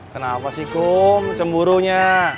kenapa sih kum cemburunya